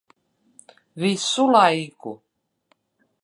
Visu laiku.